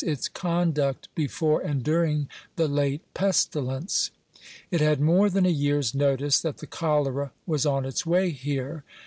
its conduct be fore and during the late pestilence. It had more than a year's notice that the cholera was on its way here.